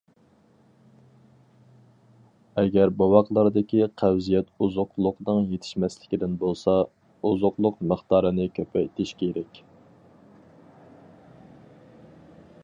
ئەگەر بوۋاقلاردىكى قەۋزىيەت ئوزۇقلۇقنىڭ يېتىشمەسلىكىدىن بولسا، ئوزۇقلۇق مىقدارىنى كۆپەيتىش كېرەك.